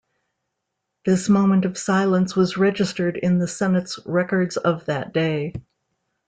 This moment of silence was registered in the Senate's records of that day.